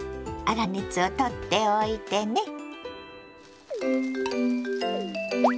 粗熱を取っておいてね。